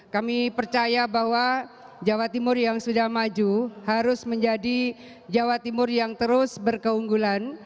kami percaya bahwa jawa timur yang sudah maju harus menjadi jawa timur yang terus berkeunggulan